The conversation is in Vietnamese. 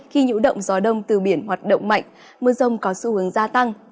khi nhũ động gió đông từ biển hoạt động mạnh mưa rông có sự hướng gia tăng